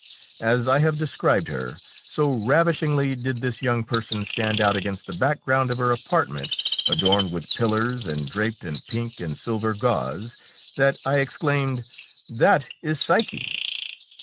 As I have described her, so ravishingly did this young person stand out against the background of her apartment, adorned with pillars and draped in pink and silver gauze, that I exclaimed, "That is Psyche!"